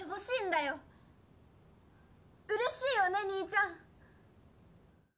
うれしいよね兄ちゃん。